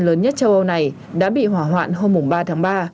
lớn nhất châu âu này đã bị hỏa hoạn hôm ba tháng ba